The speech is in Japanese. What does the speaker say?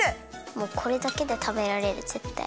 もうこれだけでたべられるぜったい。